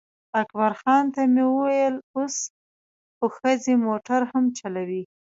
اکبرخان ته مې وویل اوس خو ښځې موټر هم چلوي.